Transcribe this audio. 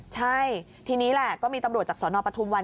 ใช่ทีนี้แหละก็มีตำรวจจากสนปทุมวัน